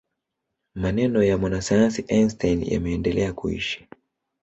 maneno ya mwanasayansi einstein yameendelea kuishi